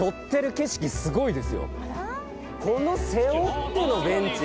この背負ってのベンチ。